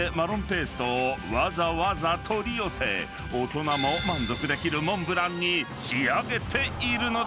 ［わざわざ取り寄せ大人も満足できるモンブランに仕上げているのだ］